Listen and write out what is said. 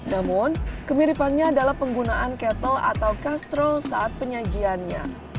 namun kemiripannya adalah penggunaan kettle atau kastrol saat penyajiannya